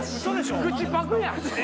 口パクやん！